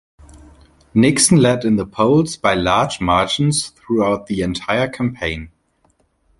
Nixon led in the polls by large margins throughout the entire campaign.